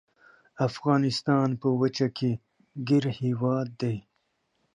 افغانستان په وچه کې ګیر هیواد دی.